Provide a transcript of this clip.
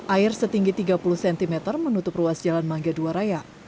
air setinggi tiga puluh cm menutup ruas jalan mangga ii raya